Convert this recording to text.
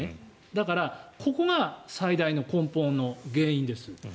だから、ここが最大の、根本の原因です。